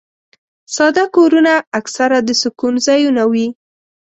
ساده کورونه اکثره د سکون ځایونه وي.